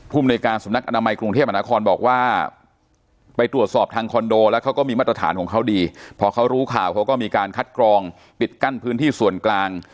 ภูมิในการสำนักอนามัยกรุงเทพมหานครบอกว่าไปตรวจสอบทางคอนโดแล้วเขาก็มีมาตรฐานของเขาดีพอเขารู้ข่าวเขาก็มีการคัดกรองปิดกั้นพื้นที่ส่วนกลาง